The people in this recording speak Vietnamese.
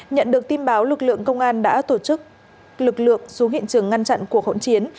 nhận được tin báo lực lượng công an đã tổ chức lực lượng xuống hiện trường ngăn chặn cuộc hỗn chiến